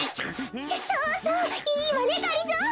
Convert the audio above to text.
そうそういいわねがりぞー。